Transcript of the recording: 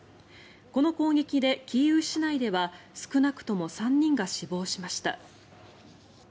この攻撃でキーウ市内では少なくとも３人が死亡しました。